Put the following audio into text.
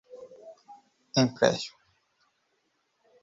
empréstimo